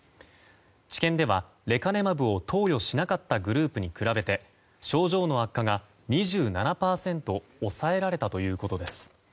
治験では、レカネマブを投与しなかったグループに比べて症状の悪化が２７％抑えられたということです。